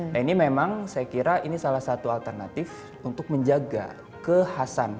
nah ini memang saya kira ini salah satu alternatif untuk menjaga kehasan